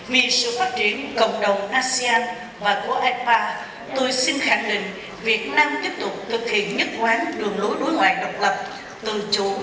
vì sự phát triển cộng đồng asean và của ipa tôi xin khẳng định việt nam tiếp tục thực hiện nhất quán đường lối đối ngoại độc lập tự chủ